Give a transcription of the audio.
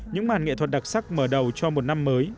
những màn nghệ thuật đặc sắc mở đầu cho một năm mới